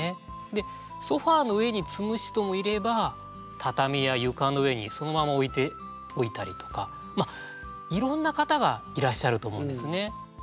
でソファーの上に積む人もいれば畳や床の上にそのまま置いておいたりとかまあいろんな方がいらっしゃると思うんですね。